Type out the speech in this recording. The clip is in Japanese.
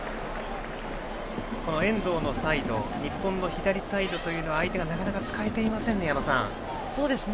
遠藤のサイド、日本の左サイドは相手がなかなか使えていませんね、矢野さん。